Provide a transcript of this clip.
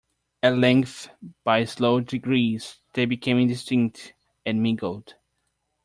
At length, by slow degrees, they became indistinct and mingled.